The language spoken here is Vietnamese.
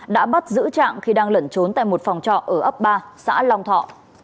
đã bắt giữ trạng khi đang lẩn trốn tại một phòng trọ ở ấp ba xã long thọ